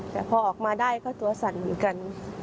แต่พอออกมาได้ก็ตัวสั่นเหมือนกัน